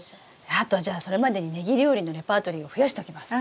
あとはじゃあそれまでにネギ料理のレパートリーを増やしときます。